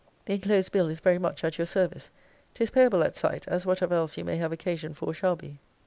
The enclosed bill is very much at your service. 'Tis payable at sight, as whatever else you may have occasion for shall be.